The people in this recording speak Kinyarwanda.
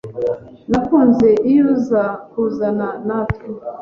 Nakunze iyo uza kuzana natwe.